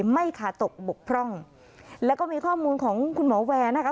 ไม่ขาดตกบกพร่องแล้วก็มีข้อมูลของคุณหมอแวร์นะคะ